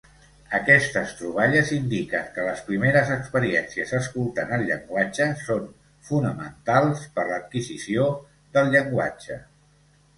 Aquestes troballes indiquen que les primeres experiències escoltant el llenguatge són fonamentals per l"adquisició del llenguatge.